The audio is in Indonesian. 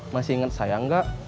masih inget saya gak